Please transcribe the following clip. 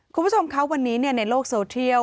คุณผู้ชมคะวันนี้ในโลกโซเทียล